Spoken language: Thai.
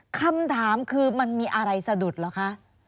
คำถามคือมันมีอะไรสะดุดเหรอคะ